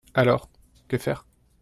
Alors, que faire?